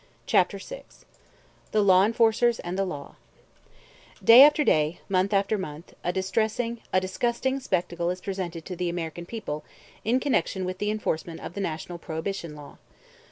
CHAPTER VI THE LAW ENFORCERS AND THE LAW DAY after day, month after month, a distressing, a disgusting spectacle is presented to the American people in connection with the enforcement of the national Prohibition law.